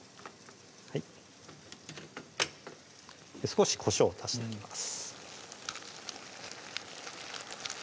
少しこしょうを足していきます